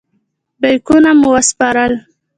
بیکونه مې وسپارم.